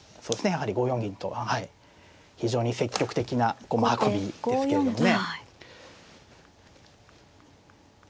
やはり５四銀と非常に積極的な駒運びですけれどもね。